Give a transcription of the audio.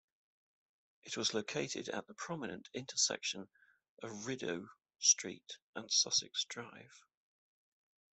It was located at the prominent intersection of Rideau Street and Sussex Drive.